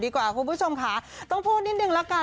คุณผู้ชมค่ะต้องพูดนิดนึงละกัน